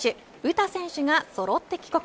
詩選手がそろって帰国。